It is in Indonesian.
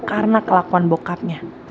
karena kelakuan bokapnya